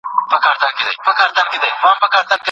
د ژوند بریا په هڅو او زړورتیا ده.